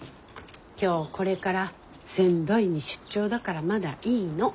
今日これから仙台に出張だからまだいいの。